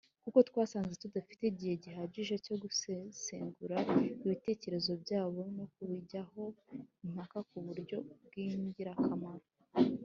Kuko twasanze tudafite igihe gihagije cyo gusesengura ibitekerezo byabo no kubijyaho impaka ku buryo bw' ingirakamaro.